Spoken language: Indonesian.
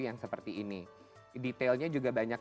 yang seperti ini detailnya juga banyak